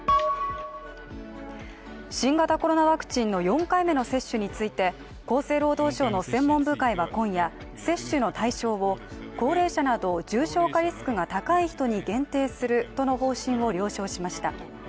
新型コロナワクチンの４回目の接種について、厚生労働省の専門部会は今夜、接種の対象を高齢者など重症化リスクが高い人に限定するとの方針を了承しました。